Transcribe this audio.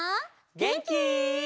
げんき？